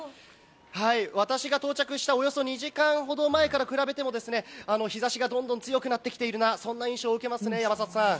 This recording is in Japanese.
私が到着した、およそ２時間ほど前から比べても日差しがどんどん強くなってきているな、そんな印象を受けますね、山里さん。